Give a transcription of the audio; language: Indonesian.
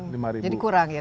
jadi kurang ya